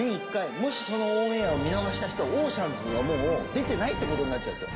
もしそのオンエアを見逃した人、オーシャンズはもう出てないってことになっちゃうんですよ。